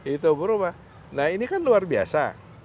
itu berubah nah ini kan luar biasa